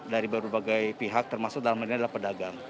dari berbagai pihak termasuk dalam hal ini adalah pedagang